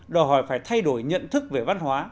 đòi hỏi phải thay đổi nhận thức về văn hóa